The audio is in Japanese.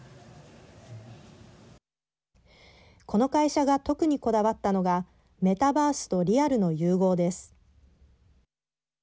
この会社が特にこだわったのがメタバースとリアルの融合です。